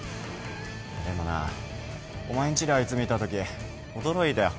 でもなお前んちであいつ見たとき驚いたよ。